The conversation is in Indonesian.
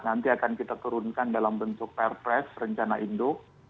nanti akan kita turunkan dalam bentuk perpres rencana induk